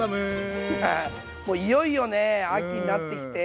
もういよいよね秋になってきて。